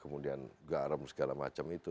kemudian garam segala macam itu